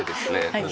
はい。